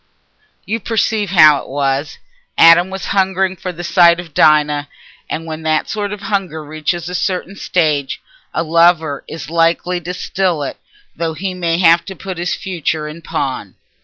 You perceive how it was: Adam was hungering for the sight of Dinah, and when that sort of hunger reaches a certain stage, a lover is likely to still it though he may have to put his future in pawn.